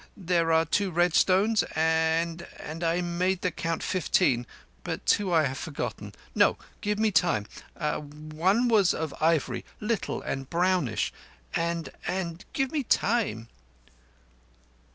There are two red stones, and—and—I made the count fifteen, but two I have forgotten. No! Give me time. One was of ivory, little and brownish; and—and—give me time..."